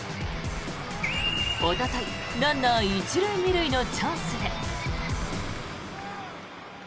おととい、ランナー１塁２塁のチャンスで。